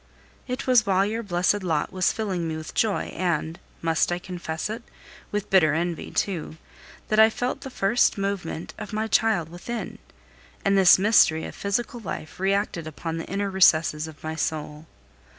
It was while your blessed lot was filling me with joy and must I confess it? with bitter envy too, that I felt the first movement of my child within, and this mystery of physical life reacted upon the inner recesses of my soul.